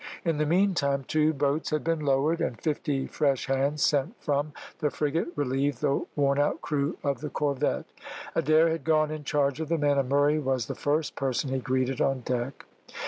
In the meantime two boats had been lowered, and fifty fresh hands sent from the frigate relieved the worn out crew of the corvette. Adair had gone in charge of the men, and Murray was the first person he greeted on deck.